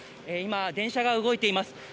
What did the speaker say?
今、電車が動いています。